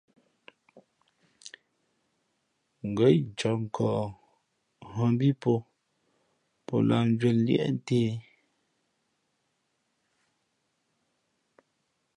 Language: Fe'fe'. Ngα̌ incāk nkᾱᾱ nhᾱ mbí pō, pō lāh njwēn liēʼ ntē.